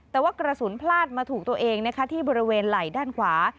แต่ว่ากระสุนพลาดมาถูกตัวเองที่บริเวณไหล่ด้านขวา